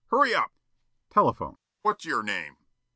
Hurry up!" Telephone: "What's yer name?"